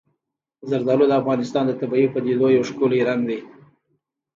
زردالو د افغانستان د طبیعي پدیدو یو ښکلی رنګ دی.